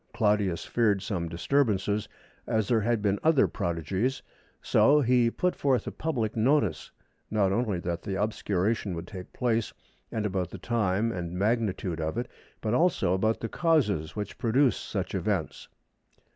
Claudius feared some disturbance, as there had been other prodigies, so he put forth a public notice, not only that the obscuration would take place and about the time and magnitude of it, but also about the causes which produce such events."